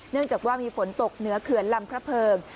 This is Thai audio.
จากว่ามีฝนตกเหนือเขื่อนลำพระเพิง